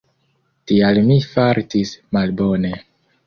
Tial mi fartis malbone.